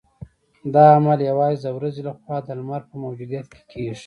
دا عمل یوازې د ورځې لخوا د لمر په موجودیت کې کیږي